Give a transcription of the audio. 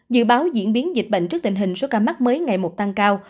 dự báo diễn biến dịch bệnh trước tình hình số ca mắc mới ngày một tăng cao